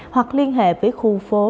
hoặc liên hệ với khu phố